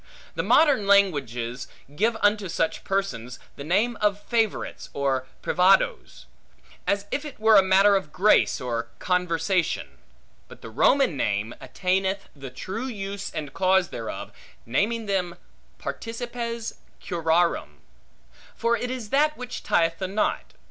The modern languages give unto such persons the name of favorites, or privadoes; as if it were matter of grace, or conversation. But the Roman name attaineth the true use and cause thereof, naming them participes curarum; for it is that which tieth the knot.